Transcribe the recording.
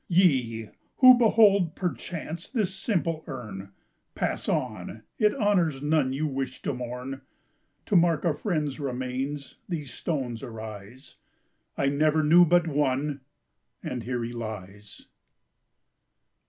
Ye! who perchance behold this simple urn, Pass on it honors none you wish to mourn; To mark a friend's remains these stones arise I never knew but one, and here he lies.